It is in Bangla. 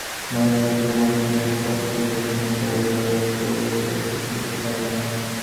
মানবজাতি ক্রমোন্নতির পথে চলিয়াছে, কিন্তু সকলেই একরূপ অবস্থায় উপস্থিত হইতে পারে নাই।